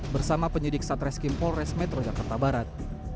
bersama penyidik satreskim polrest metro jakarta barat